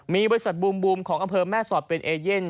มีบริษัทบูมของอำเภอแม่สอดเป็นเอเย่น